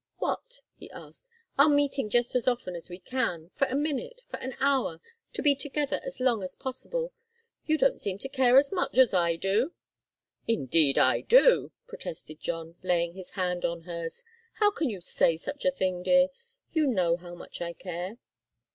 "What?" he asked. "Our meeting just as often as we can, for a minute, for an hour, to be together as long as possible. You don't seem to care as much as I do?" "Indeed I do!" protested John, laying his hand on hers. "How can you say such a thing, dear? You know how much I care!"